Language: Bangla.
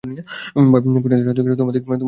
ভাবী পঞ্চাশ শতাব্দী তোমাদের দিকে চাহিয়া আছে।